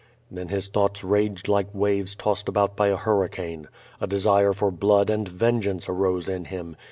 *' Then his thoughts raged like waves tossed about by a hurricane. A desire for blood and vengeance arose in him.